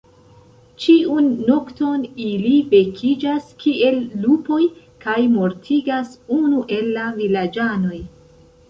Ĉiun nokton ili vekiĝas kiel lupoj kaj mortigas unu el la vilaĝanoj.